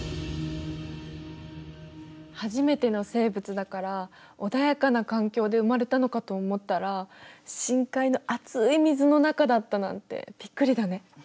初めての生物だから穏やかな環境で生まれたのかと思ったら深海の熱い水の中だったなんてびっくりだね。